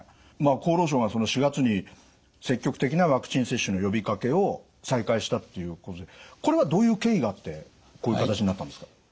厚労省が４月に積極的なワクチン接種の呼びかけを再開したっていうことでこれはどういう経緯があってこういう形になったんですか？